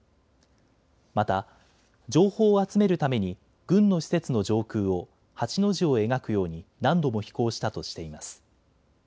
また情報を集めるために軍の施設の上空を８の字を描くように何度も飛行したとしています。